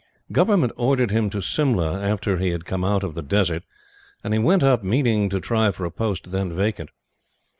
Government ordered him to Simla after he had come out of the desert; and he went up meaning to try for a post then vacant.